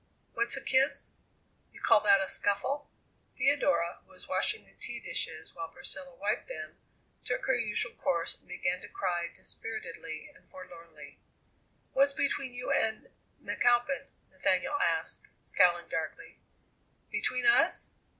What's a kiss? You call that a scuffle?" Theodora, who was washing the tea dishes while Priscilla wiped them, took her usual course and began to cry dispiritedly and forlornly. "What's between you and McAlpin?" Nathaniel asked, scowling darkly. "Between us?